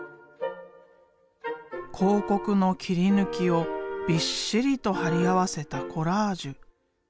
広告の切り抜きをびっしりと貼り合わせたコラージュ。